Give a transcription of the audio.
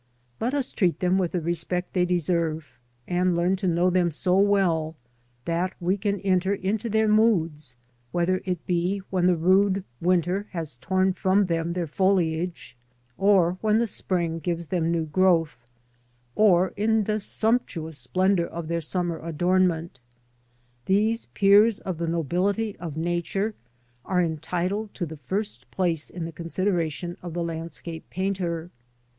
Let us treat them with the respect they deserve, and learn to know them so well that we can enter into their moods, whether it be when the rude winter has torn from them their foliage, or when the spring gives them new growth, or in the sumptuous splendour of their summer adornment These peers of the nobility of Nature are entitled to the first place in the consideration of the landscape painter.